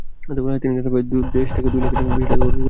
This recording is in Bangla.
তিনি জানালেন, দেশ থেকে দুই লাখের বেশি টাকা খরচ করে এখানে এসেছেন।